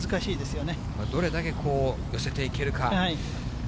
どれだけ寄せていけるか。